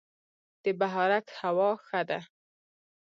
د بهارک هوا ښه ده